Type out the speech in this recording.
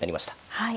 はい。